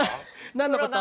何のこと？